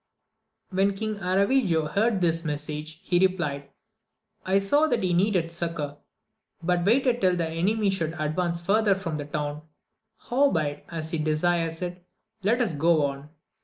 When King Aravigo heard this message, he replied, I saw that he needed succour, but waited till the enemy should advance farther from the town ; howbeit, as he desires it, let us go on.